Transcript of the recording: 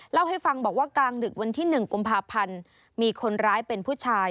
เล่าให้ฟังบอกว่ากลางดึกวันที่๑กุมภาพันธ์มีคนร้ายเป็นผู้ชาย